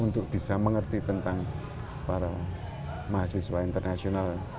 untuk bisa mengerti tentang para mahasiswa internasional